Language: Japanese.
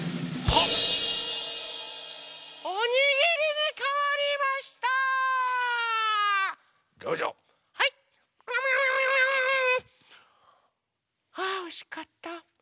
あおいしかった。